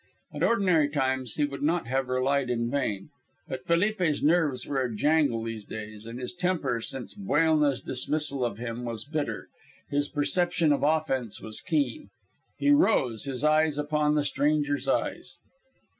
At ordinary times he would not have relied in vain. But Felipe's nerves were in a jangle these days, and his temper, since Buelna's dismissal of him, was bitter. His perception of offense was keen. He rose, his eyes upon the stranger's eyes.